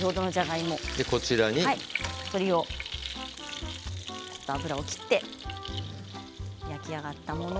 こちらに鶏の油を切って焼き上がったものを。